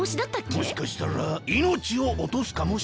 もしかしたらいのちをおとすかもしれねえ。